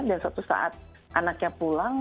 dan suatu saat anaknya pulang